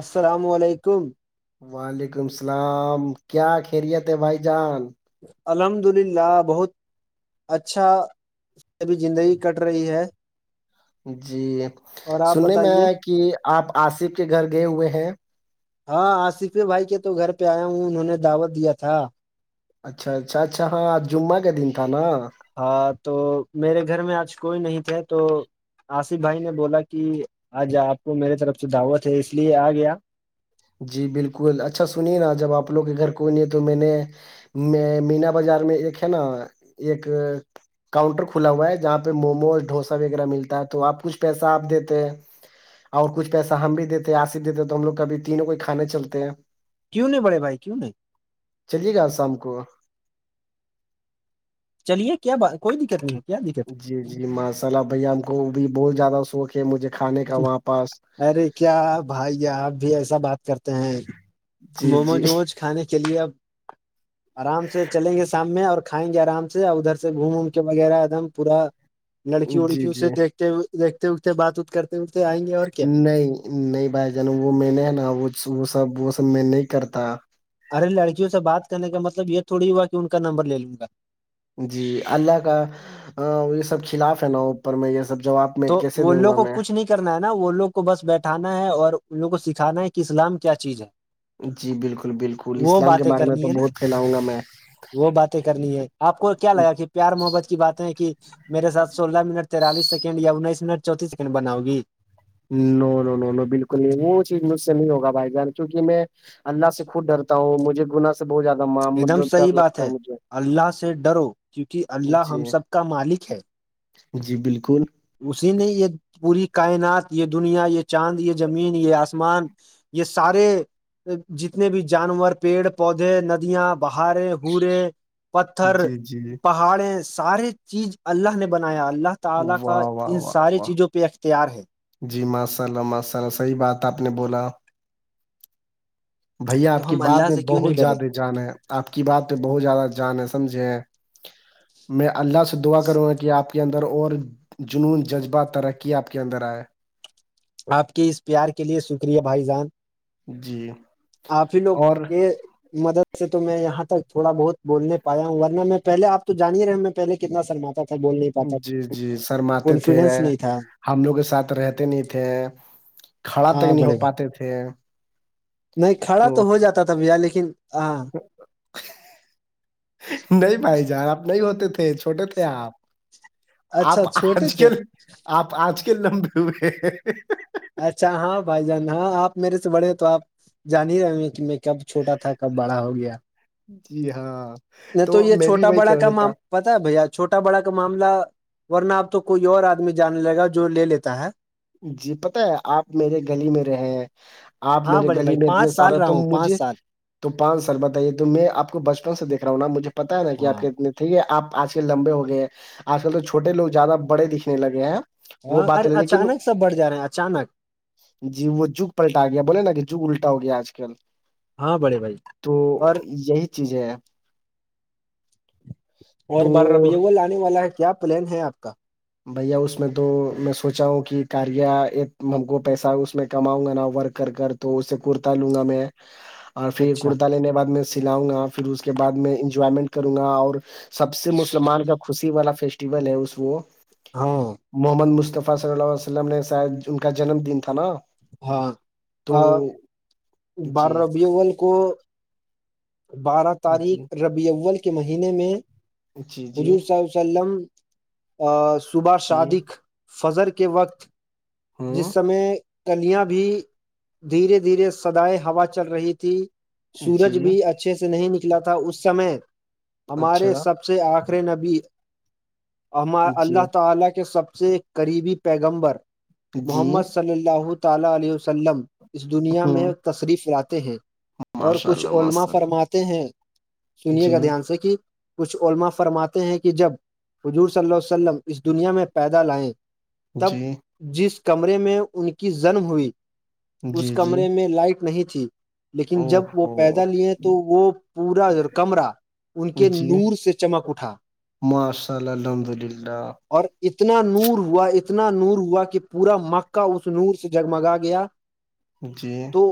السلام علیکم وعلیکم السلام کیا خیریت ہے بھائی جان الحمد للہ بہت اچھا ابھی زندگی کٹ رہی ہے جی اور آپ سننے میں بتائیے کہ آپ آصف کے گھر گئے ہوئے ہیں ہاں آصف بھائی کے تو گھر پہ آیا ہوں انہوں نے دعوت دیا تھا اچھا اچھا اچھا ہاں جمعہ کا دن تھا نا ہاں تو میرے گھر میں آج کوئی نہیں تھے تو آصف بھائی نے بولا کہ آج آپ کو میرے طرف سے دعوت ہے اس لیے آ گیا جی بالکل اچھا سنیے نا جب آپ لوگ کے گھر کونی ہے تو میں نے میں مینا بازار میں ایک ہے نا ایک کاؤنٹر کھلا ہوا ہے جہاں پہ موموز ڈھوسا وغیرہ ملتا ہے تو آپ کچھ پیسہ آپ دیتے ہیں اور کچھ پیسہ ہم بھی دیتے ہیں آسف دیتے تو ہم لوگ کبھی تینوں کو ہی کھانے چلتے ہیں کیوں نہیں بڑے بھائی کیوں نہیں چلیے گا شام کو چلیے کیا بات کوئی دقت نہیں ہے کیا دقت ہے جی جی ماشا ال بھیا ہم کو بھی بہت زیادہ شوق ہے مجھے کھانے کا وہاں پاس ارے کیا بھائی آپ بھی ایسا بات کرتے ہیں جی جی موموج ووموج کھانے کے لیے اب [unintelligible] آرام سے چلیں گے شام میں اور کھائیں گے آرام سے ادھر سے گھوم ووم کے وغیرہ ایک دم پورا لڑکی جی اڑکیوں جی سے دیکھتے دیکتے وھتے بات وات کرتے اٹھتے آئیں گے اور کیا نہیں نہیں بھائی جان وہ میں نے ہے نا وہ وہ سب وہ سب میں نہیں کرتا ارے لڑکیوں سے بات کرنے کا مطلب یہ تھوڑی ہوا کہ ان کا نمبر لے لوں گا جی اللہ کا یہ سب خلاف ہے نا اوپر میں یہ سب جواب میں تو کیسے وہ دوں لوگ گا کو میں کچھ نہیں کرنا ہے نا وہ لوگ کو بس بیٹھانا ہے اور ان لوگ کو سکھانا ہے کہ اسلام کیا چیز ہے جی بالکل بالکل وہ اسلام کے باتیں بارے میں تو کرنی ہے نا بہت کہلاؤں گا میں وہ باتیں کرنی ہے آپ کو کیا لگا کہ پیار محبت کی باتیں ہے کہ میرے ساتھ سولہ منٹ تتالیس سیکنڈ یا انیس منٹ چوتتیس سیکنڈ بناؤ گی نو نو نو نو بالکل نہیں وہ چیز مجھ سے نہیں ہوگا بھائی جان کیونکہ میں اللہ سے خود ڈرتا ہوں مجھے گنا ایک دم صحیح بات ہے اللہ سے ڈرو کیونکہ اللہ جی ہم سب کا مالک ہے جی بالکل اسی نے یہ پوری کائنات یہ دنیا یہ چاند یہ زمین یہ آسمان یہ سارے جتنے بھی جانور پیڑ پودے ندیاں بہارے ہورے پتھر جی جی پا اڑے ساری چیز اللہ نے بنایا اللہ تعالی کا واہ واہ ان واہ ساری واہ چیزوں پہ اختیار ہے جی ماشاء اللہ ماشاء اللہ صحیح بات آپ نے بولا بھیا آپ تو کی ہم بات اللہ میں سے کیوں نہیں بہت ڈرے زیادہ جانے آپ کی بات پہ بہت زیادہ جانے سمجھے میں اللہ سے دعا کروں گا کہ آپ کے اندر اور جنون جذبہ ترقی آپ کے اندر آئے آپ کے اس پیار کے لیے شکریہ بھائی جان جی آپ ہی لوگ اور کے مدد جے تو میں یہاںکوڑا بہت بول پایا ہوں ورنہ میں پہے آپ تو جانیے رہے میں پہے کتنا سرما ہوں بول نہیں پاتا جی جی شرماتے تھے کانفیڈینس نہیں تھا ہم لوگ کے ساتھ رہتے نہیں تھے کھڑا تک ہاں نہیں بڑے ہو ب پاتے تھے نہیں کھڑا تو ہو جاتا تھا بھیا لیکن ہاں نہیں بھائی جار آپ نہیں ہوتے تھے چھوٹے تھے آپ آپ اچھا چھوٹے آج تھے کل آپ آج کل لمبے ہوئے اچھا ہاں بھائی جان ہاں آپ میرے سے بڑے ہیں تو آپ جان ہی رہے ہیں کب چھوٹا تھا کب بڑا ہو گیا جی ہاں نہیں تو یہ میں بھی چھوٹا وہی بڑا کرا کا دیتا معاملہ پتا ہے بھیا چھوٹا بڑا کا معاملہ ورنہ آب تو کوئی اور آدمی جان لے گا جو لے لیتا ہے جی پتہ ہے آپ میرے گلی میں رہے ہیں آپ ہاں میرے بڑے گلی بھائی میں اتنے پانچ سال سارے رہا تم ہوں پانچ مجھے سال تو پانچ سال بتائیے تو میں آپ کو بچپن سے دیکھ رہا ہوں نا مجھے پتا ہے نا کہ آپ ہاں کتنے ٹھیک ہے آپ آج کل لمبے ہو گئے ہیں آج کل تو چھوٹے لو زیادہ بڑے دکھنے لگے ہیں وہ ہاں بات ارے ہے لیکن اچانک سب بڑھ جا رہے ہیں اچانک جی وہ جگ پلٹا گیا بولے نا کہ جگ الٹا ہو گیا آج کل ہاں بڑے بھائی تو اور یہی چیز ہے اور تو بارہ ربیع الاول انے والا ہے کیا پلان ہے آپ کا بھیا اس میں تو میں سوچا ہوں کہ کاریا ایک ہم کو پیسہ اس میں کماؤں گا نا ورک کر کر تو اس سے کرتا لوں گا میں اور پھر اچھا کرتا لینے بعد میں سلاؤں گا پھر اس کے بعد میں انجوائمنٹ کروں گا اور سب سے مسلمان کا خوشی والا فیسٹیول ہے اس وہ ہاں محمد مصطفے صلی اللہ علیہ وسلم نے شاید ان کا جنم دن تھا نا ہاں تو جی بارہ ربیع الاول کو بارہ تاریخ جی ربیع الاول کے مہینے میں جی جی حضور صلی اللہ علیہ وسلم ا صبح جی شادق فضر کے وقت جس ہوں سمے کلیاں بھی دھیرے دھیرے سدائے ہوا چل رہی تھی جی سورج بھی اچھے سے نہیں نکلا تھا اس سمے ہمارے اچھا سب سے سے آخری نبی ہمار اللہ جی تعالی کے سب سے قریبی پیغمبر جی محمد صلی اللہ تعالی علیہ وسلم اس دنیا ہ میں تشریف لاتے ہیں اور ماشاء کچھ اللہ علما ماشاء اللہ فرماتے ہیں سنیے جی گا دھیان سے کہ کچھ علما فرماتے ہیں کہ جب حضور صلی اللہ عیہ وسلم اس دنیا میں پیدا لائیں تب جی جس کمرے میں ان کی جنم ہوئی اس جی جی کمرے میں لائٹ نہیں تھی لیکن او جب وہ ہو پیدا یہے تو وہ پورا کمرہ ان کے جی نور سے چمک اٹھا [unintelligible] اور اتنا نور ہوا اتنا نور ہوا کہ کہ پورا مکہ اس نور سے جگمگا گیا جی تو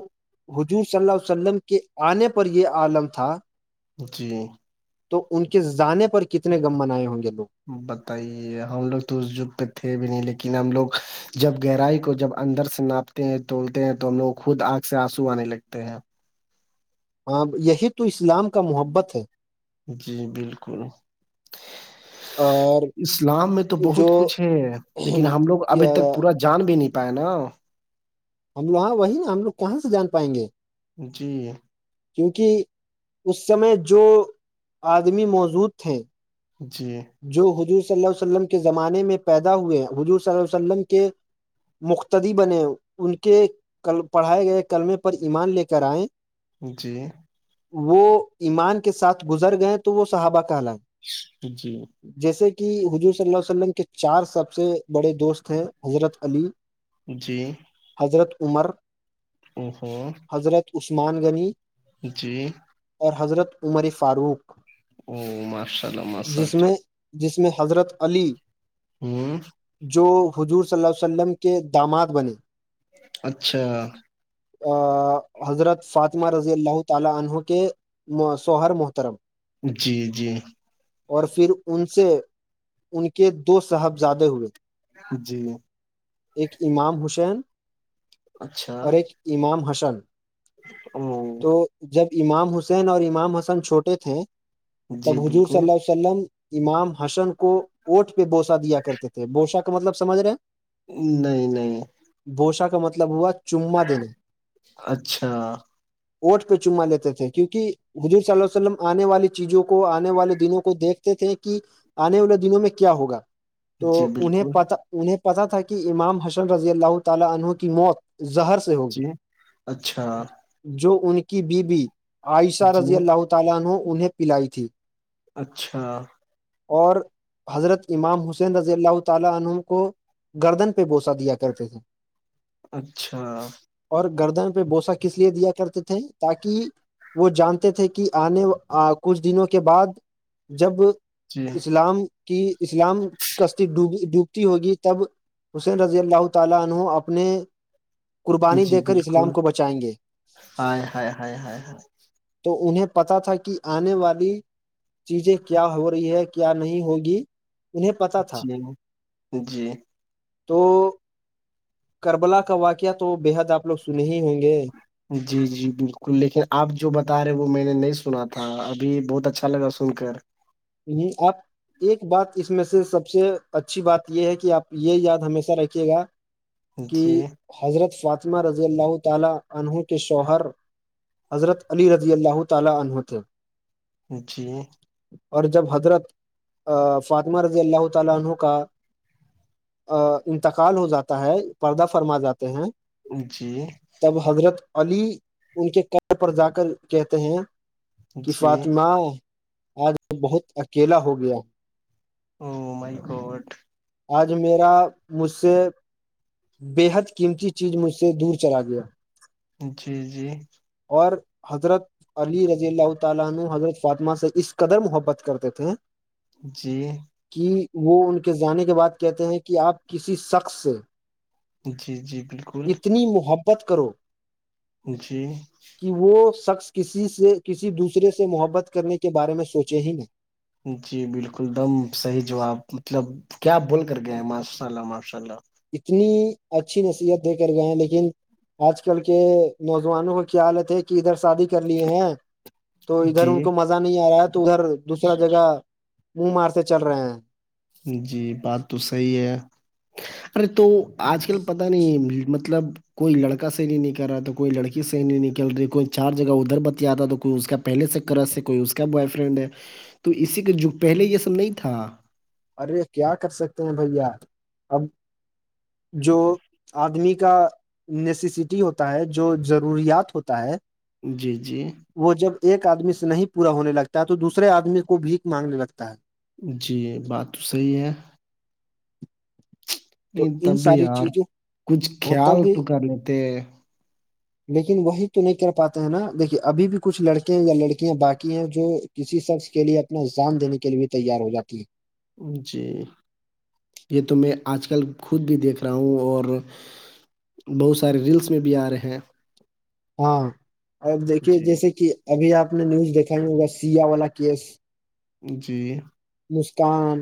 حضور صلی اللہ علہ وسلم کے آنے پر یہ عالم تھا جی تو ان کے جانے پر کتنے گم بنائے ہوں گے لوگ بتائیے ہم لوگ تو اس جگ پہ تھے بھی نہیں لیکن ہم لوگ جب گہرائی کو جب اندر سے ناپ بولتے ہیں تولتے ہیں تو ہم لوگ خود آنکھ سے آنسو آنے لگتے ہیں ہاں یہی تو اسلام کا محبت ہے جی بالکل اور اسلام میں تو جو بہت کچھ ہے لیکن ہم لوگ ابھی تک پورا جان بھی نہیں پائے نا اللہ وہی نا ہم لوگ کہاں سے جان پائیں گے جی کیونکہ اس سمے جو آدمی موجود تھے جی جو حضور صلی اللہ علیہ وسلم کے زمانے میں پیدا ہوے ہیں حضور صلی اللہ علیہ وسلم کے مختدی بنے ان کے ک پڑھائے گئے کلمے پر ایمان لے کر آئے جی وہ ایمان کے ساتھ گزر گئے تو وہ صحابہ کہلائے جی جیسے کہ حضور صلی اللہ عیہ وسلم کے چار سب سے بڑے دوست ہیں حضرت علی جی حضرت عمر [inaudible] حضرت عثمان غنی جی اور حضرت عمر فاروق [unintelligible] جس اللہ میں جس میں حضرت علی ہوں جو حضور صلی اللہ ع وسلم کے دامات بنے اچھا حضرت فاطمہ رضی اللہ تعالی عن کے سوہر محترم جی جی اور پھر ان سے ان کے دو صاحب زیادہ ہوئے جی ایک امام حسین اچھا اور ایک امام حسن او تو جب امام حسین اور امام حسن چھوٹے تھے جی تب حضور صلی بالکل اللہ عل وسلم امام حسن کو ہوٹ پہ بوسا دیا کرتے تھے بوشا کا مطلب سمجھ رہے ہیں نہیں نہیں بوشا کا مطلب ہوا چمما دینا اچھا ہوٹ پہ چما لیتے تھے کیونکہ وزیر صلی اللہ ولم آنے والی چیزوں کو آنے والے دنوں کو دیکھتے تھے کہ آنے والے دنوں میں کیا ہوگا تو جی انہیں بالکل پتا انہیں پتا تھا کہ امام حسن رضی اللہ تعالی عنہوں کی موت زہر سے ہوگی جی اچھا جو ان کی بی بیی عائشہ جی رضی اللہاہ تالا نے انہیں پلائی تھی اچھا اور حضرت امام حسین رضی اللہ تعالی عنم کو گردن پہ بوسا دیا کرتے تھے اچھا اور گردن پہ بوسا کس لیے دیا کرتے تھے تاکہ وہ جانتے تھے کہ آنے کچھ دنوں کے بعد جب جی اسلام کی اسلام کی کشتی ڈوبتی ہوگی تب حسین رضی اللہ تعالینہ اپنے قربانی جی دے کر اسلام بالکل کو بچائیں گے ہائے ہائے ہائے ہائے ہائے تو انہیں پتا تھا کہ آنے والی چیزیں کیا ہو رہی ہے کیا نہیں ہوگی انہیں پتاہ تھا جی جی تو کربلا کا واقعہ تو بے حد آپ لوگ سنے ہی ہوں گے جی جی بالکل لیکن آپ جو بتا رہے وہ میں نے نہیں سنا تھا ابھی بہت اچھا لگا سن کر [inaudible] ایک بات اس میں سے سب سے اچھی بات یہ ہے کہ آپ یہ یاد ہمیشہ رکھیے گا کہ جی حضرت فاطمہ رضی اللہ تعالی عہوں کے شوہر حضرت علی رضی اللہ تعی عنہ تھ جی اور جب حضرت فاطمہ رضی اللہ تعالی عنہ کا انتقال ہو جاتا ہے پردہ فرما جاتے ہیں جی اب حضرت علی ان کے ق پر جا کر کہتے ہیں کہ جی فاطمہ آج بہت اکیلا ہو گیا او مائ کوٹ آج میرا مجھ سے بےحد قیمتی چیز مجھ سے دور چلا گیا جی جی اور حضرت علی رضی اللہ تعالی عنہ حضرت فاطمہ سے اس قدر محبت کرتے تھے جی کہ وہ ان کے جانے کے بعد کہتے ہیں کہ آپ کسی شخص سے جی جی بالکل اتنی محبت کرو جی کہ وہ شخص کسی سے کسی دوسرے سے محبت کرنے کے بارے میں سوچے ہی نہیں جی بالکل دم صحیح جواب مطلب کیا آپ بول کر گئے ہیں ماشاء اللہ ماشاء اللہ اتنی اچھی نصیحت دے کر گئے ہیں لیکن آج کل کے نوجوانوں کا کیا حالت ہے کہ ادھر شادی کر لیے ہیں تو ادھر جی ان کو مزہ نہیں آ رہا ہے تو ادھر دوسرا جگہ منہ مار سے چل رہے ہیں جی بات تو صحیح ہے ارے تو آج کل پتا نہیں مطلب کوئی لڑک سح نہیںکل رہا تو کوئی لڑکی سح نہیں نکل رہی کوئی چار جگہ ادھر بتیا آا تو کوئی اس کا پہلے سےکرا سے کوئی اس کا بوائے فرینڈ ہے تو اسی کے جو پہلے یہ سب نہیں تھا ارے کیا کر سکتے ہیں بھیا اب جو آدمی کا نیسیسٹی ہوتا ہے جو ضروریات ہوتا ہے جی جی وہ جب ایک آدمی سے نہیں پورا ہونے لگتا ہے تو دوسرے آدمی کو بھیھ مانگنے لگتا ہے جی بات تو صحیح ہے تو نہیں تب ان بھی ساری یار چیزوں کچھ ہوتا خیال بھی تو کر لیتے لیکن وہی تو نہیں کر پاتے ہیں نا دیکے ابھی بھی کچھ لڑکے ہیں یا لڑکیاں باقی ہیں جو کسی شخص کے لیے اپنا جام دینے کے لیے بھی تیار ہو جاتی ہے جی یہ تو میں آج کل خود بھی دیکھ رہا ہوں اور بہت سارے ریلس میں بھی آ رہے ہیں ہاں اور دیکھیے جی جیسے کہ ابھی آپ نے نیوز دیکھائی ہوا سیا والا کیس جی مسکان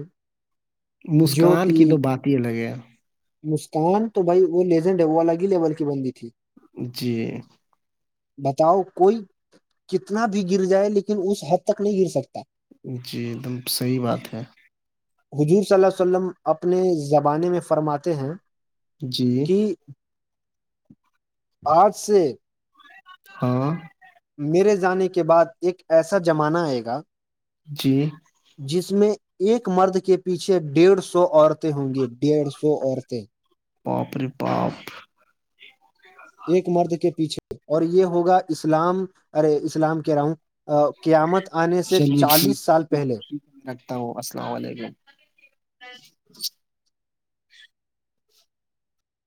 مسکان کی جوتی تو بات ہی الگے مسکان تو بھائی وہ لیزینڈ ہے الگ ہی لیول کی بنی تھی جی بتاؤ کوئی کتنا بھی گر جائے لیکن اس حد تک نہیں گر سکتا جی ایک دم صحیح بات ہے حجور صلی اللہ ع ولم اپنے زبانے میں فرماتے ہیں جی کہ آج سے ہاں میرے جانے کے بعد ایک ایسا زمانہ آئے گا جی جس میں ایک مرد کے پیچھے ڈیڑھ سو عورتیں ہوں گی ڈیڑھ سو عورتیں پاپڑ پاپ ایک مرد کے پیچھے اور یہ ہوگا اسلام ارے اسلام کہہ رہا ہوں قیامت آنے سے چالیس سال پہلے ققشسف